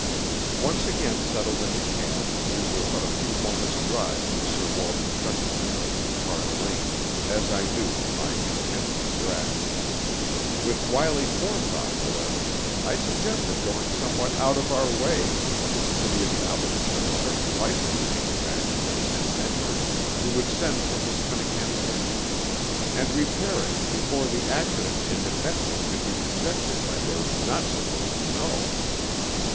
Once again settled in the cab, we were but a few moments' drive from Sir Walter Tressidy's house in Park Lane, as I knew to my intense regret. With wily forethought, however, I suggested going somewhat out of our way to the establishment of a certain bicycle manufacturer and mender, who would send for Miss Cunningham's machine, and repair it before the accident it had met with could be conjectured by those not supposed to know.